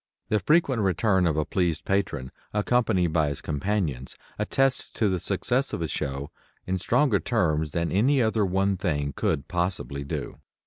The frequent return of a pleased patron accompanied by his companions attests the success of a show in stronger terms than any other one thing could possibly do.